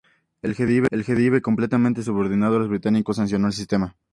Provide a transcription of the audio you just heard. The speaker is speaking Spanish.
El Jedive, completamente subordinado a los británicos, sancionó el sistema.